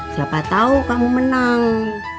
siapa tau kamu menang